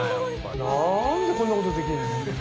なんでこんなことできるの？